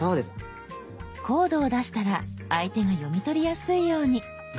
コードを出したら相手が読み取りやすいように。